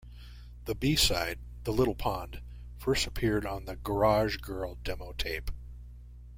The B-side, "The Little Pond" first appeared on the "Garage Girl" demo-tape.